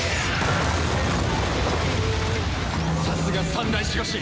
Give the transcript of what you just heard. さすが三大守護神！